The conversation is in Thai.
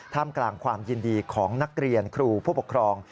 กลางความยินดีของนักเรียนครูผู้ปกครอง